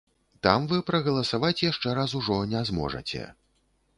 Там вы прагаласаваць яшчэ раз ужо не зможаце.